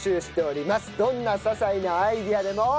どんな些細なアイデアでも。